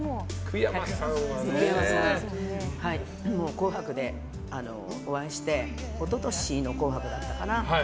「紅白」でお会いして一昨年の「紅白」だったかな。